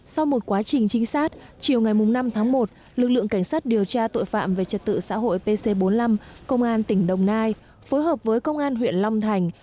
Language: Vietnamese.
sau một quá trình trinh sát chiều ngày năm tháng một lực lượng cảnh sát điều tra tội phạm về trật tự xã hội pc bốn mươi năm công an tỉnh đồng nai phối hợp với công an huyện long thành